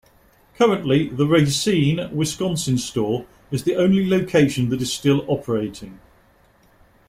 Currently, the Racine, Wisconsin store is the only location that is still operating.